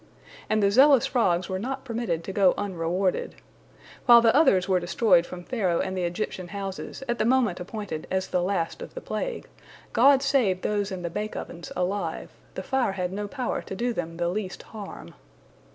" And the zealous frogs were not permitted to go unrewarded. While the others were destroyed from Pharaoh and the Egyptian houses at the moment appointed as the last of the plague, God saved those in the bake ovens alive, the fire had no power to do them the least harm.